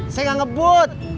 saya gak ngebut